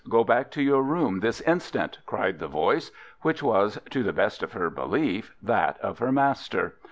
Go back to your room this instant!" cried the voice, which was, to the best of her belief, that of her master.